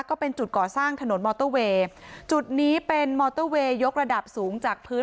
ก็เป็นจุดก่อสร้างถนนมอเตอร์เวย์จุดนี้เป็นมอเตอร์เวย์ยกระดับสูงจากพื้น